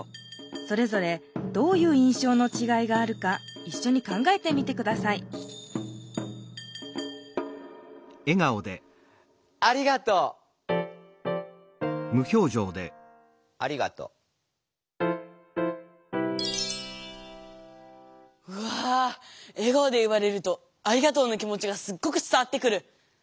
それぞれどういういんしょうのちがいがあるかいっしょに考えてみて下さいありがとう！ありがとう。うわ。え顔で言われるとありがとうの気持ちがすっごく伝わってくる。